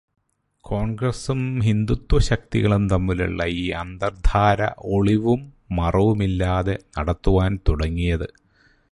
കോണ്ഗ്രസ്സും ഹിന്ദുത്വശക്തികളും തമ്മിലുള്ള ഈ അന്തര്ധാര ഒളിവും മറവുമില്ലാതെ നടത്തുവാന് തുടങ്ങിയത്